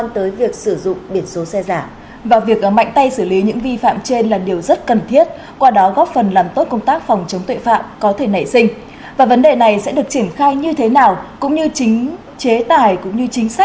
thì ngay lập tức biển số xe đã được che chắn